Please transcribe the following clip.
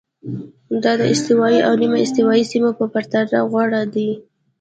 دا د استوایي او نیمه استوایي سیمو په پرتله غوره دي.